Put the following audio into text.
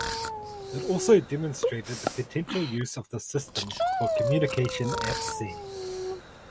It also demonstrated the potential use of the system for communication at sea.